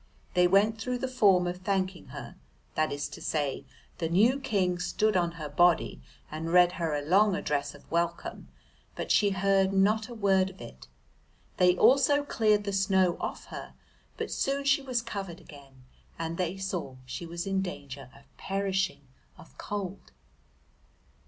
They went through the form of thanking her, that is to say, the new King stood on her body and read her a long address of welcome, but she heard not a word of it. They also cleared the snow off her, but soon she was covered again, and they saw she was in danger of perishing of cold.